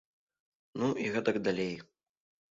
Ну, і гэтак далей.